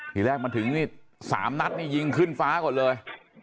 ทีแรกมาถึงนี่๓นัดนี่ยิงขึ้นฟ้าก่อนเลย